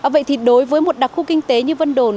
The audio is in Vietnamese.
vậy thì đối với một đặc khu kinh tế như vân đồn